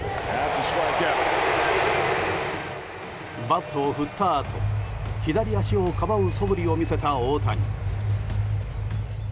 バットを振ったあと左足をかばうそぶりを見せた大谷。